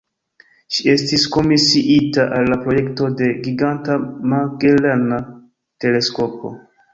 Ŝi estis komisiita al la projekto de Giganta Magelana Teleskopo.